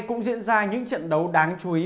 cũng diễn ra những trận đấu đáng chú ý